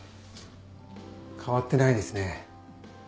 変わってないですね。